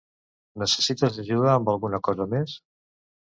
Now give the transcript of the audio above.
Necessites ajuda amb alguna cosa més?